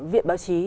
viện báo chí